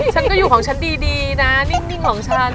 ฉันก็อยู่ของฉันดีนะนิ่งของฉัน